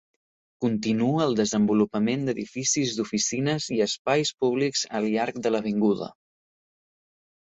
Continua el desenvolupament d'edificis d'oficines i espais públics al llarg de l'avinguda.